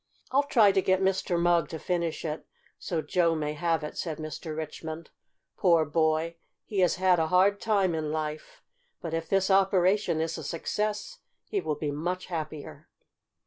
"I'll try to get Mr. Mugg to finish it so Joe may have it," said Mr. Richmond. "Poor boy! He has had a hard time in life, but if this operation is a success he will be much happier."